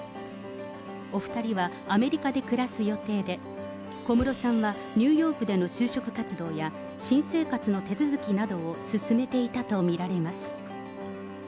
お２人はアメリカで暮らす予定で、小室さんはニューヨークでの就職活動や、新生活の手続きなどを進めていたと見られます。